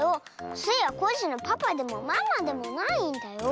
スイはコッシーのパパでもママでもないんだよ！